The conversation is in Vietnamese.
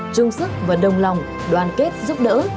trung sức và đồng lòng đoàn kết giúp đỡ